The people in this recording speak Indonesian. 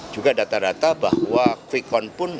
juga data data bahwa quickcon pun